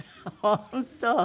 本当。